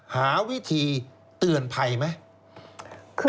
หาวิธีเตือนภัยไหม